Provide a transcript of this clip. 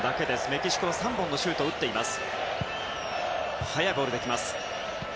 メキシコは３本のシュートを打っています。